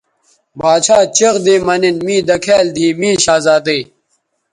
باڇھا چیغ دی مہ نِن می دکھیال دیھی می شہزادئ